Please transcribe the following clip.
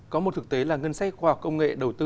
có một thực tế là ngân sách khoa học công nghệ đầu tư